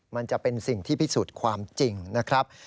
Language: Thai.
มันจะเป็นสิ่งที่พิสูจน์ความจริงนะครับ